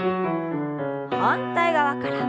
反対側から。